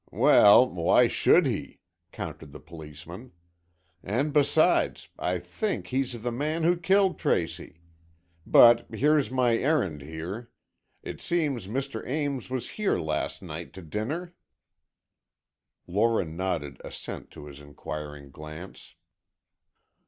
"Well, why should he?" countered the policeman. "And, besides, I think he's the man who killed Tracy. But here's my errand here. It seems Mr. Ames was here last night to dinner?" Lora nodded assent to his inquiring glance.